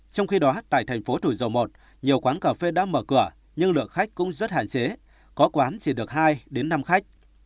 trong khi đó tại thành phố thủ dầu một nhiều quán cà phê đã mở cửa nhưng lượng khách cũng rất hạn chế có quán chỉ được hai đến năm khách